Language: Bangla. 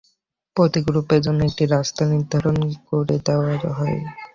প্রতি গ্রুপের জন্য একটি রাস্তা নির্ধারণ করে দেয়া হয়।